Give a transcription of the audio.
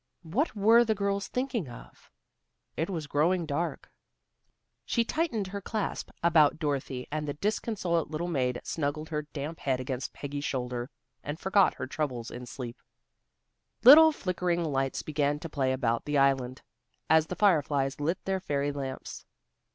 What were the girls thinking of? It was growing dark. She tightened her clasp about Dorothy and the disconsolate little maid snuggled her damp head against Peggy's shoulder, and forgot her troubles in sleep. Little flickering lights began to play about the island, as the fire flies lit their fairy lamps.